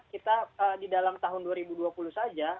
kita di dalam tahun dua ribu dua puluh saja